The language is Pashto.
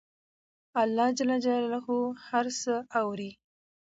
الله ج هر څه اوري